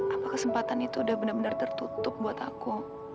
apa kesempatan itu udah bener bener tertutup buat aku